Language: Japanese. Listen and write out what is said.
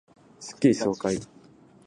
スッキリ爽快